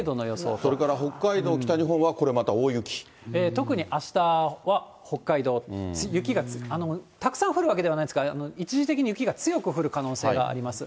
それから北海道、特にあしたは北海道、雪が、たくさん降るわけではないんですが、一時的に雪が強く降る可能性があります。